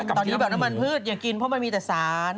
ตอนนี้แบบน้ำมันพืชอย่ากินเพราะมันมีแต่สาร